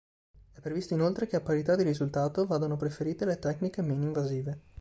È previsto inoltre che, a parità di risultato, vadano preferite le tecniche meno invasive.